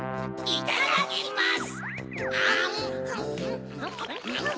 いただきます！